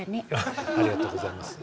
ありがとうございます。